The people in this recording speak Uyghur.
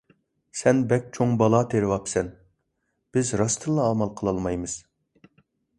سەن بەك چوڭ بالا تېرىۋاپسەن! بىز راستتىنلا ئامال قىلالمايمىز.